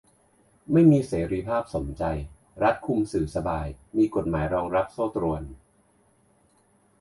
ไม่มีเสรีภาพสมใจ รัฐคุมสื่อสบาย มีกฎหมายรองรับโซ่ตรวน